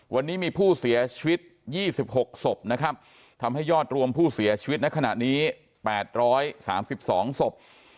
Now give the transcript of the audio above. วันนี้มีผู้เสียชีวิต๒๖ศพนะครับทำให้ยอดรวมผู้เสียชีวิตในขณะนี้๘๓๒ศพ